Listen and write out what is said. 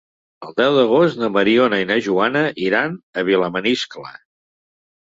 El deu d'agost na Mariona i na Joana iran a Vilamaniscle.